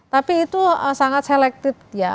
tapi itu sangat selektif ya